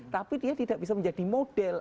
tapi dia tidak bisa menjadi model